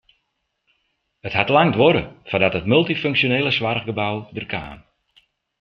It hat lang duorre foardat it multyfunksjonele soarchgebou der kaam.